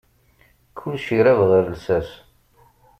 Kullec irab ɣar lsas.